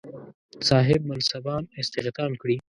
صاحب منصبان استخدام کړي.